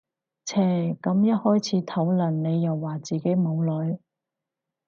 唓咁一開始討論你又話自己冇女